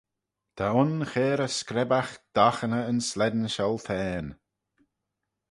Ta un cheyrrey screbbagh doghaney yn slane shioltane